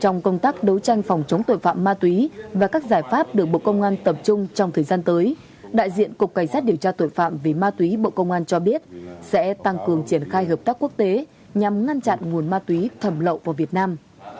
trong công tác đấu tranh phòng chống tội phạm ma túy và các giải pháp được bộ công an tập trung trong thời gian tới đại diện cục cảnh sát điều tra tội phạm về ma túy bộ công an cho biết sẽ tăng cường triển khai hợp tác quốc tế nhằm ngăn chặn nguồn ma túy thẩm lậu vào việt nam